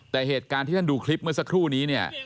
แต่เหตุการณ์ที่ท่านดูคลิปเมื่อสักครู่นี้เนี่ย